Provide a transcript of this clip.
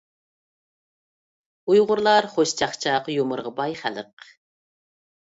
ئۇيغۇرلار خۇش چاقچاق، يۇمۇرغا باي خەلق.